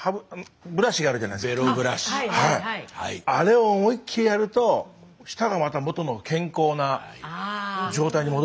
あれを思いっきりやると舌がまた元の健康な状態に戻るんじゃないですか。